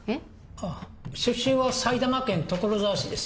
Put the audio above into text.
あっ出身は埼玉県所沢市です